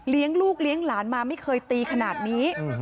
ลูกเลี้ยงหลานมาไม่เคยตีขนาดนี้